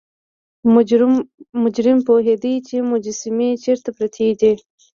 مجرم پوهیده چې مجسمې چیرته پرتې دي.